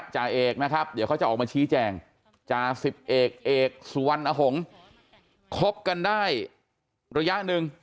จ่าเอกนะครับเดี๋ยวเขาจะออกมาชี้แจงจ่าสิบเอกเอกสุวรรณหงษ์คบกันได้ระยะหนึ่ง